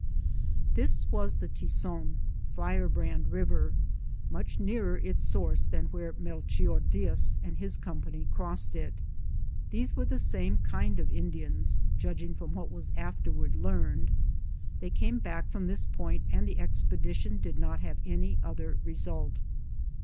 This was the Tison (Firebrand) river, much nearer its source than where Melchior Diaz and his company crossed it. These were the same kind of Indians, judging front what was afterward learned. They eame> batik from this point and the expedition did not have any other result.